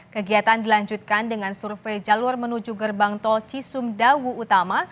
kegiatan dilanjutkan dengan survei jalur menuju gerbang tol cisumdawu utama